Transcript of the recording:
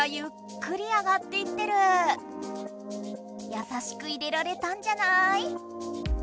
やさしく入れられたんじゃない？